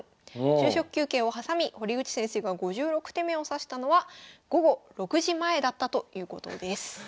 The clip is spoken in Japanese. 昼食休憩を挟み堀口先生が５６手目を指したのは午後６時前だったということです。